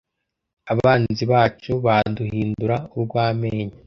abanzi bacu baduhindura urw’amenyo